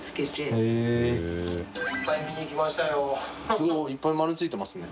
すごいいっぱい丸付いてますね。